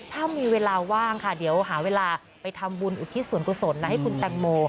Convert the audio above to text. ถ้ามีเวลาว่างค่ะเดี๋ยวหาเวลาไปทำบุญอุทิศส่วนกุศลให้คุณแตงโม